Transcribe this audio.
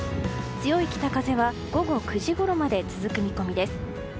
強い北風は午後９時ごろまで続く見込みです。